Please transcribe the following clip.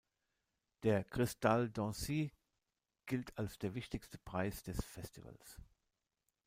Der Cristal d’Annecy gilt als der wichtigste Preis des Festivals.